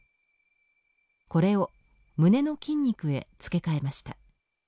これを胸の筋肉へ付け替えました。